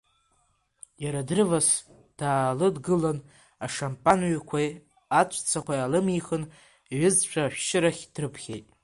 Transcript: Иара дрывас даалыдгылан, ашампан ҩқәеи аҵәцақәеи аалымихын, иҩызцәа ашәшьырахь дрыԥхьеит.